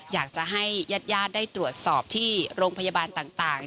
อยากจะให้ญาติญาติได้ตรวจสอบที่โรงพยาบาลต่าง